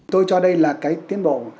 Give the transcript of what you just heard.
tôi cho đây là cái tiến bộ